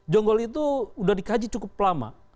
jonggol itu sudah dikaji cukup lama